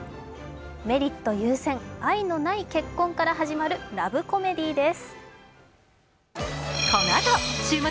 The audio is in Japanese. メリット優先、愛のない結婚から始まるラブコメディーです。